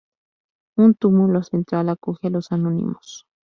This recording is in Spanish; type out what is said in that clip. Un túmulo central acoge a los anónimos.